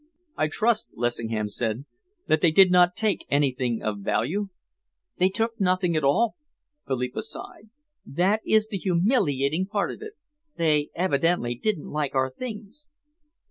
"I trust," Lessingham said, "that they did not take anything of value?" "They took nothing at all," Philippa sighed. "That is the humiliating part of it. They evidently didn't like our things."